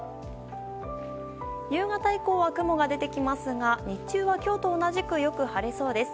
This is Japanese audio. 夕方以降は雲が出てきますが日中は今日と同じくよく晴れそうです。